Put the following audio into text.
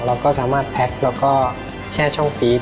เราก็สามารถแพ็คแล้วก็แช่ช่องปี๊ด